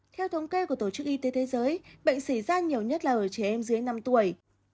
theo thống kê của tổ chức y tế thế giới bệnh xảy ra nhiều nhất là ở trẻ em dưới năm tuổi